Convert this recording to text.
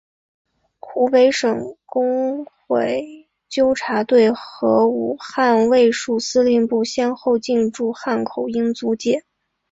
湖北省总工会纠察队和武汉卫戍司令部先后进驻汉口英租界。